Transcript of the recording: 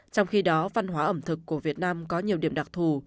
trong khi đó văn hóa ẩm thực của việt nam có nhiều điểm đặc thù